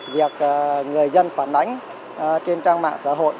việc người dân phản ánh trên trang mạng xã hội